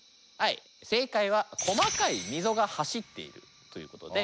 正解は細かい溝が走っているということで。